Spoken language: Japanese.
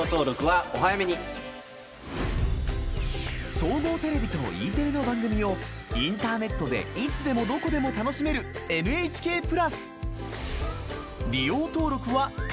総合テレビとＥテレの番組をインターネットでいつでもどこでも楽しめるＮＨＫプラス。